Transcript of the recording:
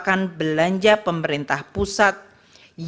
dan dipercaya kekuatan dan kekuatan